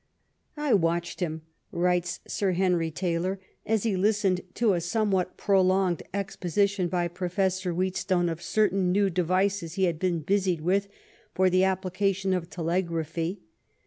I watched him," writes Sir Henry Taylor, *' as he listened to a somewhat prolonged exposition by Pro fessor Wheatstone of certain new devices he had been busied with for the application of telegraphy.